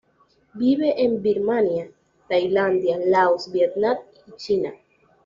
Vive en Birmania, Tailandia, Laos, Vietnam y China.